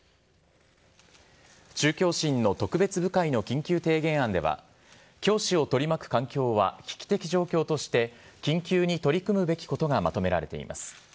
中教審の特別部会の緊急提言案では、教師を取り巻く環境は危機的状況として、緊急に取り組むべきことがまとめられています。